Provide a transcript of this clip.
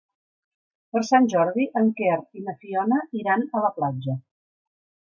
Per Sant Jordi en Quer i na Fiona iran a la platja.